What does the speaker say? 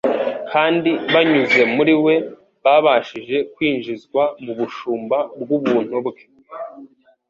kandi banyuze muri we babashije kwinjizwa mu bushumba bw'ubuntu bwe.